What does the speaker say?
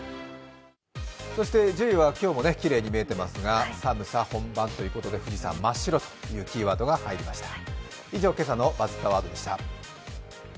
１０位は今日もきれいに見えてますが寒さ本番ということで「富士山真っ白」というキーワードが入りました。